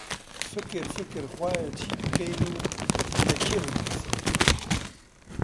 فکر، فکر، خوایە چی بکەین و لە کێ پرسین؟